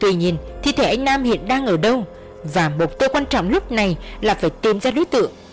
tuy nhiên thi thể anh nam hiện đang ở đâu và mục tiêu quan trọng lúc này là phải tìm ra đối tượng